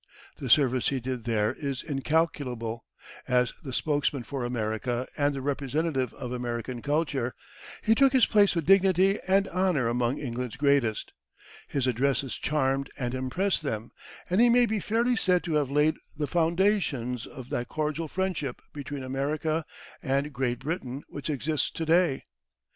The service he did there is incalculable; as the spokesman for America and the representative of American culture, he took his place with dignity and honor among England's greatest; his addresses charmed and impressed them, and he may be fairly said to have laid the foundations of that cordial friendship between America and Great Britain which exists to day.